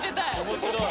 面白い。